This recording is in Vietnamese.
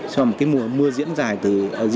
cho một cái mùa mưa diễn ra từ